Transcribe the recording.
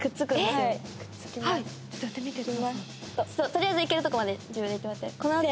取りあえず行けるとこまで自分で行ってもらって。